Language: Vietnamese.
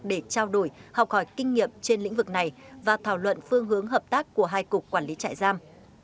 để trao đổi học hỏi kinh nghiệm trên lĩnh vực này và thảo luận phương hướng hợp tác của hai cục quản lý trại giam